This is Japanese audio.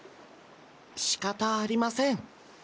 しかたありません。